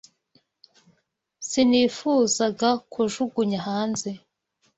Sinifuzaga kujugunya hanze.